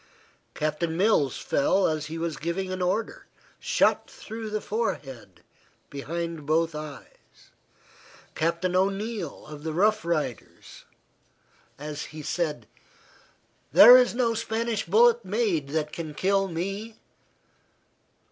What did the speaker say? Captain Mills fell as he was giving an order, shot through the forehead behind both eyes; Captain O'Neill, of the Rough Riders, as he said, "There is no Spanish bullet made that can kill me."